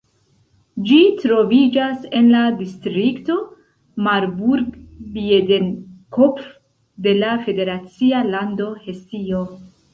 Ĝi troviĝas en la distrikto Marburg-Biedenkopf de la federacia lando Hesio.